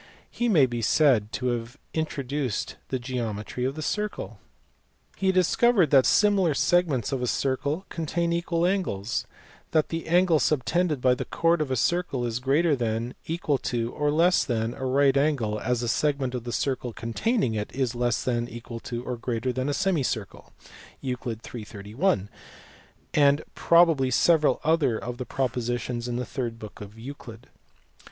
He may be said to have introduced the geometry of the circle. He discovered that similar segments of a circle contain equal angles; that the angle subtended by the chord of a circle is greater than, equal to, or less than a right angle as the segment of the circle containing it is less than, equal to, or greater than a semicircle (Euc. in. 31); and probably several other of the propositions in the third book of Euclid.